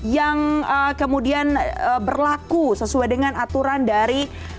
yang kemudian berlaku sesuai dengan aturan dari